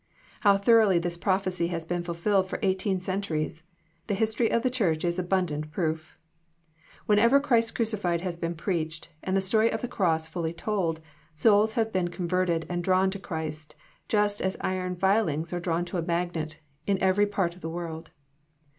How thoroughly this prophecy has been fulfilled for eighteen centuries, the history of the Church is an abun dant proof. Whenever Christ crucified has been preached, and the story of the cross fully told, souls have been con«* verted and drawn to Christ, just as iron filings are drawn to a magnet, in every part of the world.